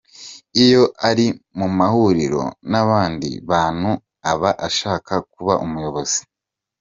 Iyo ari mu mahuriro n’abandi bantu aba ashaka kuba umuyobozi.